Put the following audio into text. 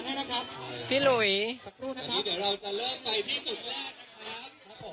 ตอนนี้เดี๋ยวเราจะเริ่มไปที่สุดแรกนะครับ